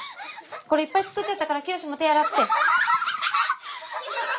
これいっぱい作っちゃったからきよしも手ぇ洗って。